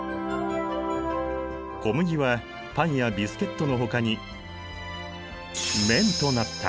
小麦はパンやビスケットのほかに麺となった。